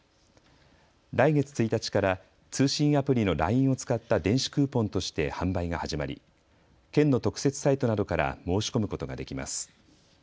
来月１日から通信アプリのＬＩＮＥを使った電子クーポンとして販売が始まり県の特設サイトなどから申し込むことができます。